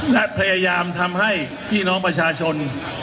และพยายามทำให้พี่น้องประชาชน